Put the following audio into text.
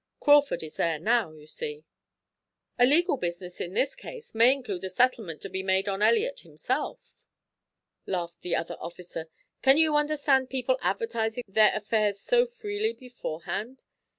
Crawford is there now, you see." "The legal business in this case may include a settlement to be made on Elliot himself," laughed the other officer. "Can you understand people advertising their affairs so freely beforehand?